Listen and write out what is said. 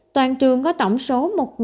toàn trường có tổng số một